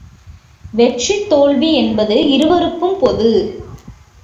வெற்றி தோல்வி என்பது இருவருக்கும் பொது.